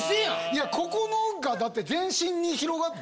いやここのが全身に広がって。